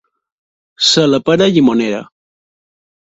Ser la pera llimonera.